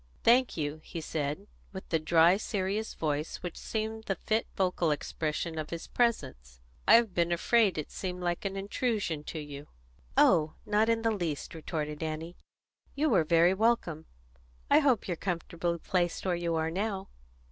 "Thank you," he said, with the dry, serious voice which seemed the fit vocal expression of his presence; "I have been afraid that it seemed like an intrusion to you." "Oh, not the least," retorted Annie. "You were very welcome. I hope you're comfortably placed where you are now?"